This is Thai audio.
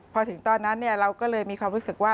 พอถึงตอนนั้นเราก็เลยมีความรู้สึกว่า